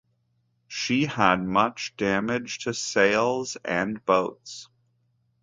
She had much damage to sails and boats.